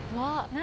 何？